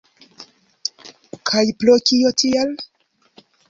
Kaj pro kio tiel?